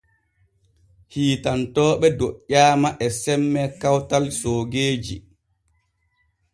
Hiitantooɓe doƴƴaama e semme kawtal soogeeji.